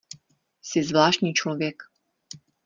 Jsi zvláštní člověk.